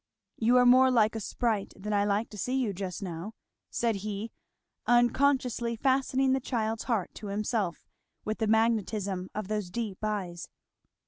"You are more like a sprite than I like to see you just now," said he, unconsciously fastening the child's heart to himself with the magnetism of those deep eyes.